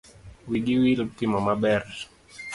Wigi wil gi timo maber.